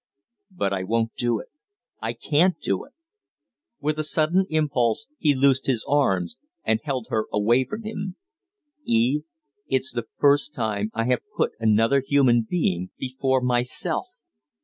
But I won't do it! I can't do it!" With a swift impulse he loosed his arms and held her away from him. "Eve, it's the first time I have put another human being before myself!"